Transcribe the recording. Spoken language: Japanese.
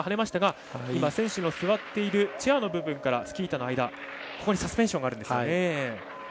選手の座っているチェアの部分からスキー板の間、ここにサスペンションがあるんですよね。